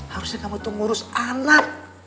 harusnya kamu tuh ngurus anak